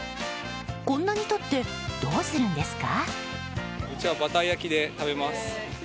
こんなにとってどうするんですか？